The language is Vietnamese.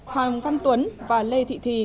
hoàng văn tuấn và lê thị thì